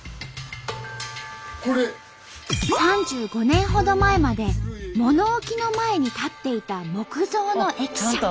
３５年ほど前まで物置の前に立っていた木造の駅舎。